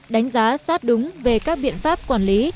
đánh giá sát đúng về các biện pháp quản lý